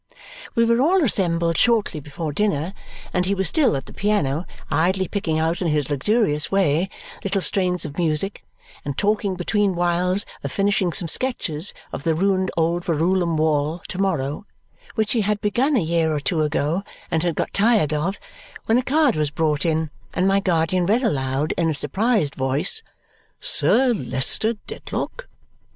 We were all assembled shortly before dinner, and he was still at the piano idly picking out in his luxurious way little strains of music, and talking between whiles of finishing some sketches of the ruined old Verulam wall to morrow, which he had begun a year or two ago and had got tired of, when a card was brought in and my guardian read aloud in a surprised voice, "Sir Leicester Dedlock!"